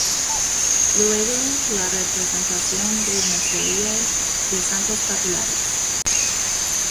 Luego la representación de una serie de santos populares.